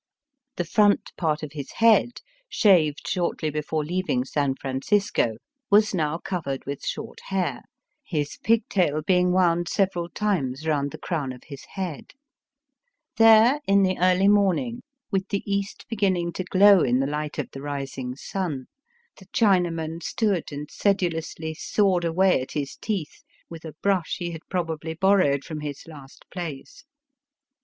The front Digitized by VjOOQIC 174 EAST BY WEST. part of his head, shaved shortly hefore leaving San Francisco, was now covered with short hair, his pigtail being wound several times round the crown of his head. There in the early morning, with the east beginning to glow in the light of the rising sun, the Chinaman stood and sedulously sawed away at his teeth with a brush he had probably borrowed from his last place.